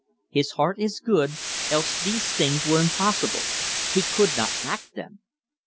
His heart is good, else these things were impossible. He could not act them."